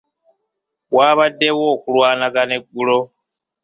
Waabaddewo okulwanagana eggulo.